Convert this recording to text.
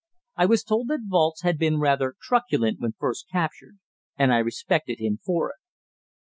I was told that Walz had been rather truculent when first captured, and I respected him for it.